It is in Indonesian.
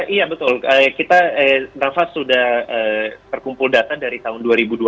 iya betul kita nafas sudah terkumpul data dari tahun dua ribu dua puluh